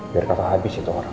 biar kata habis itu orang